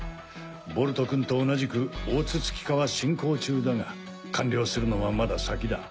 ボルトくんと同じく大筒木化は進行中だが完了するのはまだ先だ。